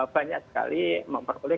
banyak sekali memperoleh